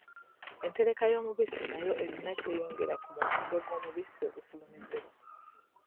Entereka y'omubisi nayo erina ky'eyongera ku mutindo gw'omubisi ogufulumizibwa.